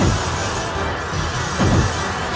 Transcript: ini mah aneh